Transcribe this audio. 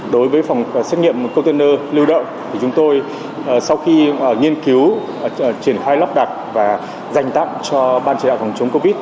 đối với phòng xét nghiệm container lưu động thì chúng tôi sau khi nghiên cứu triển khai lắp đặt và dành tặng cho ban chỉ đạo phòng chống covid